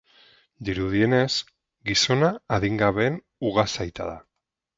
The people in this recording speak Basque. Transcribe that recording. Dirudienez, gizona adingabeen ugazaita da.